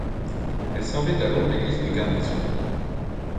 Elle servait alors d'église de garnison.